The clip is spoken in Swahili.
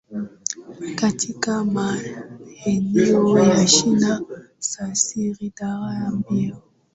katika maeneo ya chini ya Syr Darya jimbo